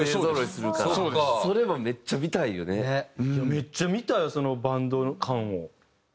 めっちゃ見たいわそのバンド感を。